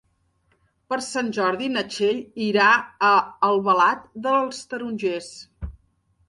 Per Sant Jordi na Txell irà a Albalat dels Tarongers.